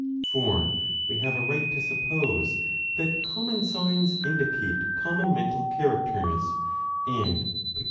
(For we have a right to suppose that common 20 signs indicate common mental characters and peculiar 1 8o5 b 15.